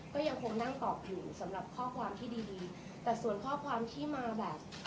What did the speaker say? ก็ยังคงนั่งตอบอยู่สำหรับข้อความที่ดีดีแต่ส่วนข้อความที่มาแบบ